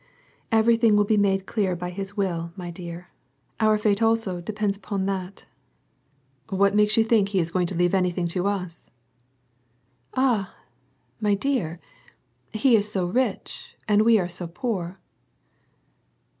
" Everything will be made clear by his will, my dear ; our fate also depends upon that." WAR AND PEACE. 66 ''What makes you think that he is going to leave anything tons?" "Ah ! my dear, he is so rich and we are so poor."